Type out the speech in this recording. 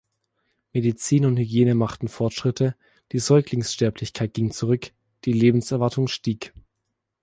Medizin und Hygiene machten Fortschritte, die Säuglingssterblichkeit ging zurück, die Lebenserwartung stieg.